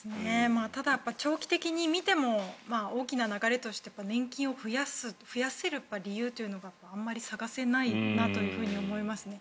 ただ、長期的に見ても大きな流れとして年金を増やせる理由というのがあまり探せないなと思いますね。